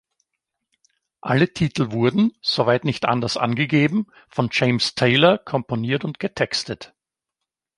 Alle Titel wurden, soweit nicht anders angegeben, von James Taylor komponiert und getextet.